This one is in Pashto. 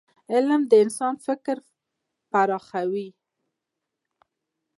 علم د انسان فکر پراخوي.